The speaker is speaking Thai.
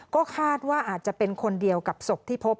ก็คาดว่าอาจจะเป็นคนเดียวกับศพที่พบ